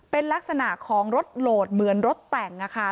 เป็นลักษณะของรถโหลดเหมือนรถแต่งนะคะ